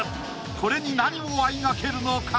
これに何をあいがけるのか？